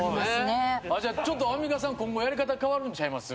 あっじゃあちょっとアンミカさん今後やり方変わるんちゃいます？